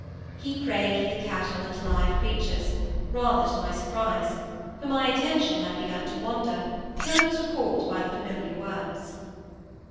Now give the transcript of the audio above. He prayed for the cattle and live creatures, rather to my surprise; for my attention had begun to wander, till it was recalled by the familiar words.